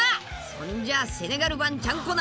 そんじゃセネガル版ちゃんこ鍋